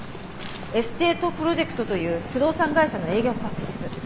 エステート・プロジェクトという不動産会社の営業スタッフです。